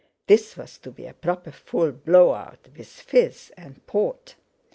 This was to be a proper full "blowout" with "fizz" and port!